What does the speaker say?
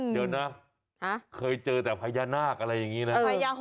เดี๋ยวนะเคยเจอแต่พญานาคอะไรอย่างนี้นะ